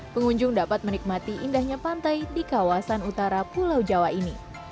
pengunjung dapat menikmati indahnya pantai di kawasan utara pulau jawa ini